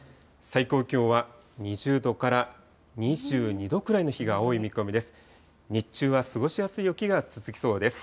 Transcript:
最高気温は２０度から２２度くらいの日が多い見込みです。